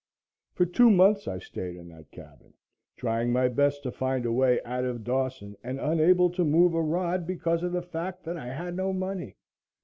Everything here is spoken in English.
For two months I stayed in that cabin, trying my best to find a way out of Dawson and unable to move a rod because of the fact that I had no money.